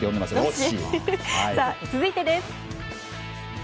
続いてです。